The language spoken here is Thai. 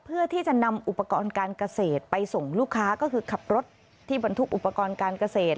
เพื่อที่จะนำอุปกรณ์การเกษตรไปส่งลูกค้าก็คือขับรถที่บรรทุกอุปกรณ์การเกษตร